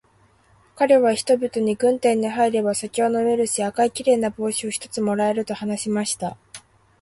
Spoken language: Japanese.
かれは人々に、軍隊に入れば酒は飲めるし、赤いきれいな帽子を一つ貰える、と話しました。